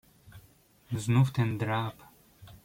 "Znów ten drab."